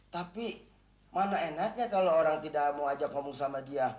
tapi mana enaknya kalau orang tidak mau ajak ngomong sama dia